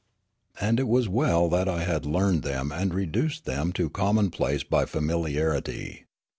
And it was well that I had learned them and reduced them to commonplace by familiarity.